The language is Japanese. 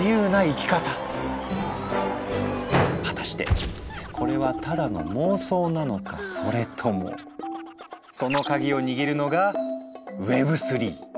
果たしてこれはただの妄想なのかそれともそのカギを握るのが「Ｗｅｂ３」。